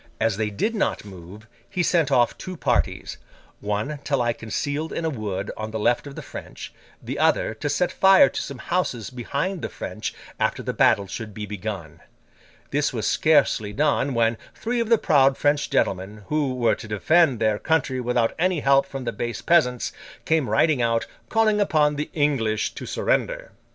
As they did not move, he sent off two parties:—one to lie concealed in a wood on the left of the French: the other, to set fire to some houses behind the French after the battle should be begun. This was scarcely done, when three of the proud French gentlemen, who were to defend their country without any help from the base peasants, came riding out, calling upon the English to surrender.